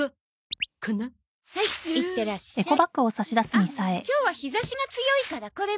あっ今日は日差しが強いからこれもね。